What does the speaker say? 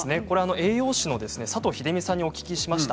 栄養士の佐藤秀美さんにお聞きしました。